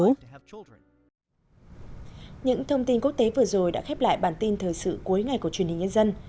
những thông tin quốc tế vừa rồi đã khép lại bản tin thời sự cuối ngày của truyền hình nhân dân